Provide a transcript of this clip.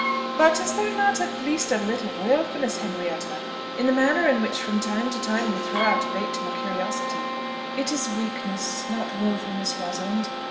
"But is there not at least a little wilfulness, Henrietta, in the manner in which from time to time you throw out a bait to my curiosity?" "It is weakness, not wilfulness, Rosalind.